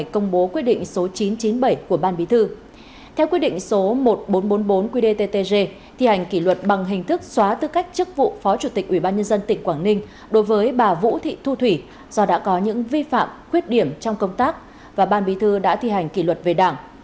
theo quyết định số chín nghìn bốn trăm bốn mươi bốn qdttg thi hành kỷ luật bằng hình thức xóa tư cách chức vụ phó chủ tịch ubnd tỉnh quảng ninh đối với bà vũ thị thu thủy do đã có những vi phạm khuyết điểm trong công tác và ban bí thư đã thi hành kỷ luật về đảng